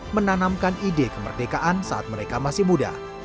menanamkan ide kemerdekaan saat mereka masih muda